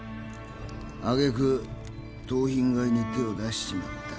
あげく盗品買いに手を出しちまった。